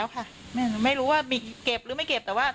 ค่ะไม่รู้ว่ามีเก็บหรือไม่เก็บแต่ว่า